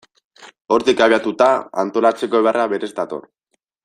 Hortik abiatuta, antolatzeko beharra berez dator.